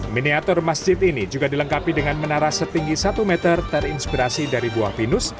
miniatur masjid ini juga dilengkapi dengan menara setinggi satu meter terinspirasi dari buah pinus